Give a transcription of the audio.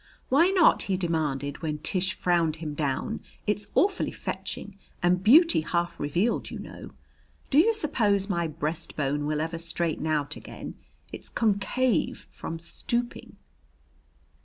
"Why not?" he demanded when Tish frowned him down. "It's awfully fetching, and beauty half revealed, you know. Do you suppose my breastbone will ever straighten out again? It's concave from stooping."